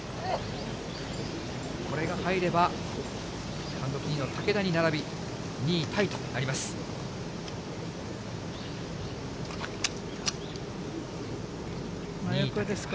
これが入れば、単独２位の竹田に並び、２位タイとなります。